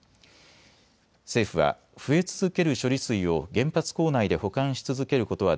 政府は増え続ける処理水を原発構内で保管し続けることは